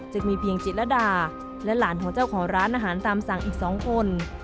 จึงมีเพียงจิตรดาและหลานของเจ้าของร้านอาหารตามสั่งอีก๒คน